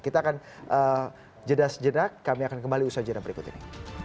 kita akan jeda sejenak kami akan kembali usaha jenah berikut ini